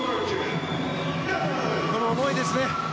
この思いですね。